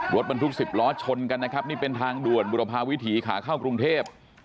รถบรรทุก๑๐ล้อชนกันนะครับนี่เป็นทางด่วนบุรพาวิถีขาเข้ากรุงเทพ